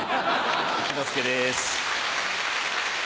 一之輔です。